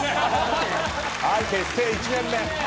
結成１年目。